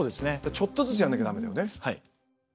ちょっとずつやらなきゃ駄目だよね。